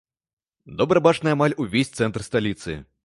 Добра бачны амаль увесь цэнтр сталіцы.